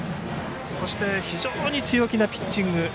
そして非常に強気なピッチング。